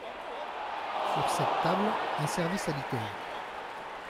Sur cette table, un service à liqueurs.